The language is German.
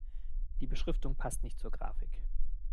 Die Beschriftung passt nicht zur Grafik.